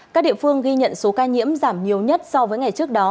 các địa phương ghi nhận số ca nhiễm giảm nhiều nhất so với ngày trước đó